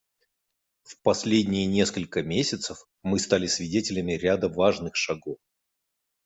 В последние несколько месяцев мы стали свидетелями ряда важных шагов.